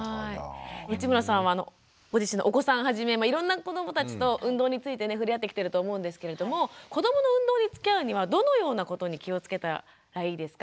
内村さんはご自身のお子さんはじめいろんな子どもたちと運動について触れ合ってきてると思うんですけれども子どもの運動につきあうにはどのようなことに気をつけたらいいですか？